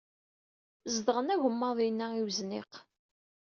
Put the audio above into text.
Zedɣen agemmaḍ-inna i wezniq.